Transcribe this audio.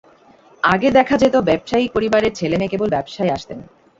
আগে দেখা যেত, ব্যবসায়িক পরিবারের ছেলেমেয়ে কেবল ব্যবসায় আসতেন।